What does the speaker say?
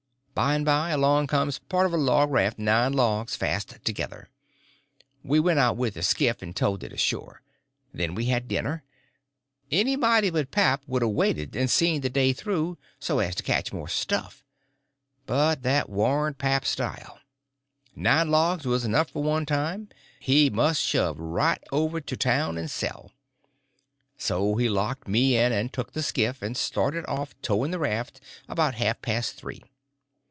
By and by along comes part of a log raft—nine logs fast together. We went out with the skiff and towed it ashore. Then we had dinner. Anybody but pap would a waited and seen the day through, so as to catch more stuff; but that warn't pap's style. Nine logs was enough for one time; he must shove right over to town and sell. So he locked me in and took the skiff, and started off towing the raft about half past three.